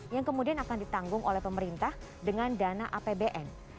yang kemudian akan ditanggung oleh pemerintah dengan dana apbn